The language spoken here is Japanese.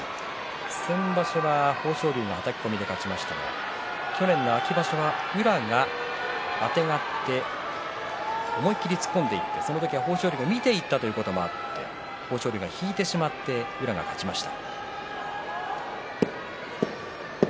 先場所は豊昇龍のはたき込みで勝ちましたが去年の秋場所は宇良があてがって思い切り突っ込んでいってその時は豊昇龍が見ていたということもあって豊昇龍が引いてしまって宇良が勝ちました。